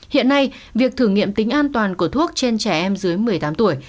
hiện nay việc thử nghiệm tính an toàn của thuốc trên trẻ em dưới một mươi tám tuổi